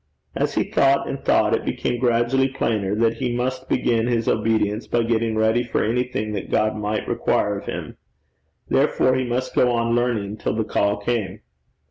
As he thought and thought it became gradually plainer that he must begin his obedience by getting ready for anything that God might require of him. Therefore he must go on learning till the call came.